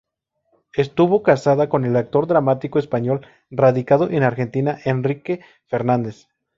Estuvo casada con el actor dramático español radicado en Argentina, Enrique Fernández.